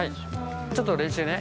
ちょっと練習ね。